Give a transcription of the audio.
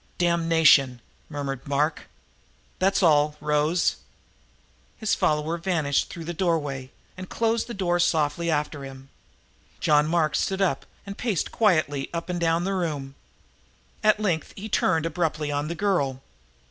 "Damnation!" murmured Mark. "That's all, Rose." His follower vanished through the doorway and closed the door softly after him. John Mark stood up and paced quietly up and down the room. At length he turned abruptly on the girl.